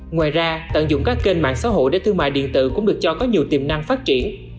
ngoài ra tận dụng các kênh mạng xã hội để thương mại điện tử cũng được cho có nhiều tiềm năng phát triển